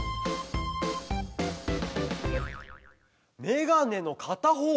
メガネのかたほう！